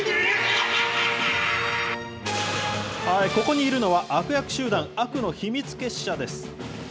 ここにいるのは、悪役集団、悪の秘密結社です。